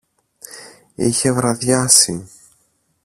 Είχε βραδιάσει.